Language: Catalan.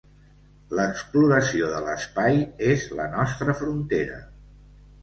L'exploració de l'espai és la nostra frontera.